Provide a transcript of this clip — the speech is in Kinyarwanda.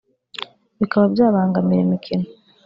bikaba byabangamira imikino